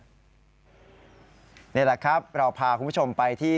นี่แหละครับเราพาคุณผู้ชมไปที่